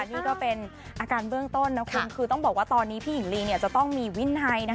นี่ก็เป็นอาการเบื้องต้นนะคุณคือต้องบอกว่าตอนนี้พี่หญิงลีจะต้องมีวินัย